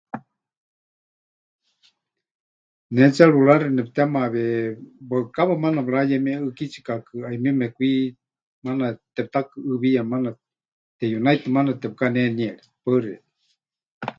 Ne tseruraxi nepɨtemawie, waɨkawa maana pɨrayemie ʼɨ́kitsikakɨ, haimieme kwi, maana tepɨtakɨʼɨɨwiya maana, teyunaitɨ maana tepɨkaneniere. Paɨ xeikɨ́a.